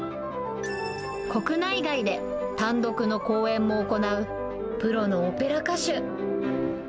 国内外で単独の公演も行う、プロのオペラ歌手。